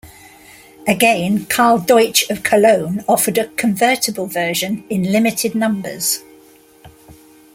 Again, Karl Deutsch of Cologne offered a convertible version in limited numbers.